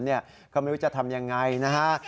เขาไม่รู้จะทำอย่างไรนะฮะ